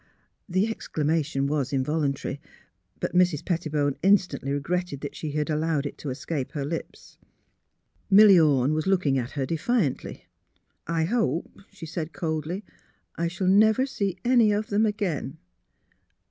" The exclamation was involuntary; but Mrs. Pet tibone instantly regretted that she had allowed it to escape her lips. Milly Ome was looking at her defiantly. '' I hope," she said, coldly, " I shall never see any of them again.